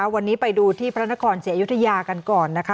วันนี้ไปดูที่พระนครศรีอยุธยากันก่อนนะคะ